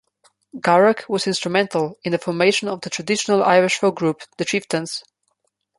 Garech was instrumental in the formation of the traditional Irish folk group, The Chieftains.